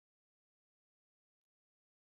نور یې هم هڅول.